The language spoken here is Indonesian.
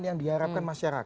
yang diharapkan masyarakat